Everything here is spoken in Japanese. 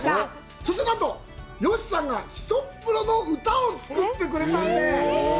そして、なんと、吉さんが「ひとっ風呂のうた」を作ってくれたんです。